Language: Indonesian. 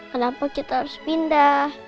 kenapa kita harus pindah